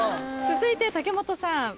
続いて武元さん。